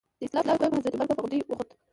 د اسلام دویم خلیفه حضرت عمر په غونډۍ وخوت.